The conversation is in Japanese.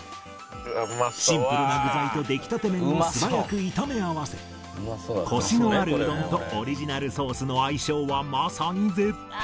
シンプルな具材と出来たて麺を素早く炒め合わせコシのあるうどんとオリジナルソースの相性はまさに絶品！